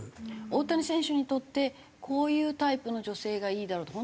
大谷選手にとってこういうタイプの女性がいいだろうと。